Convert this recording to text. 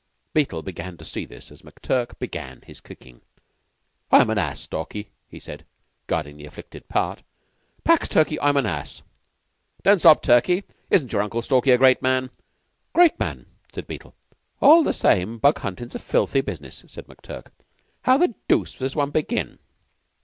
Beetle began to see this as McTurk began the kicking. "I'm an ass, Stalky!" he said, guarding the afflicted part. "Pax, Turkey. I'm an ass." "Don't stop, Turkey. Isn't your Uncle Stalky a great man?" "Great man," said Beetle. "All the same bug huntin's a filthy business," said McTurk. "How the deuce does one begin?"